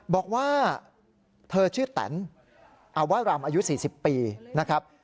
บอกว่าเธอชื่อแตนอวรำอายุ๔๐ปีนะครับ